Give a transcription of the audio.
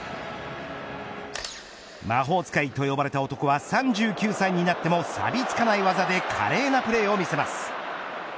魔法使いと呼ばれた男は３９歳になってもさびつかない華麗なプレーを見せつけます。